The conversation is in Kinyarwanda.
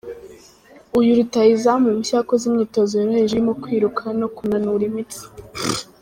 Uyu rutahizamu mushya yakoze imyitozo yoroheje irimo kwiruka no kunanura imitsi.